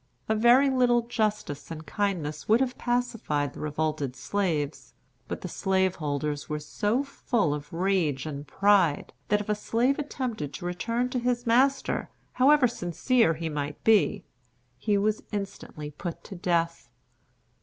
A very little justice and kindness would have pacified the revolted slaves; but the slaveholders were so full of rage and pride, that if a slave attempted to return to his master, however sincere he might be, he was instantly put to death.